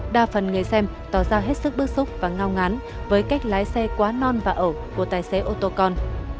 đa phần người xem tỏ ra hết sức bức xúc và ngao ngán với cách lái xe quá non và ẩu của tài xế ô tô con